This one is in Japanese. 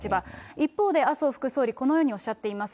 一方で麻生副総理、このようにおっしゃっています。